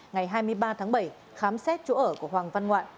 ngày hai mươi ba tháng bảy khám xét chỗ ở của hoàng văn ngoạn